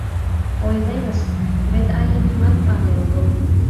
Ойлемыс, вет але нимат пале огыл.